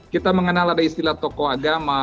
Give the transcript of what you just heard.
kita mengenal ada istilah tokoh agama